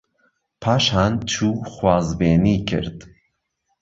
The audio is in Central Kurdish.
پاشان چوو خوازبێنی کرد